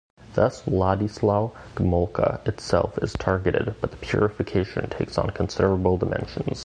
Thus Władysław Gomułka itself is targeted but the purification takes on considerable dimensions.